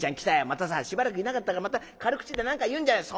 またさしばらくいなかったからまた軽口で何か言うんじゃない？」。